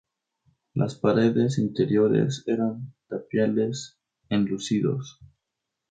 Las paredes interiores eran tapiales enlucidos.